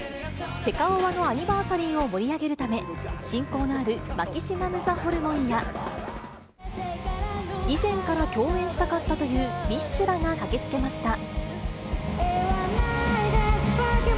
セカオワのアニバーサリーを盛り上げるため、親交のあるマキシマムザホルモンや、以前から共演したかったというＢｉＳＨらが駆けつけました。